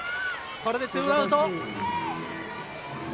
これで２アウト。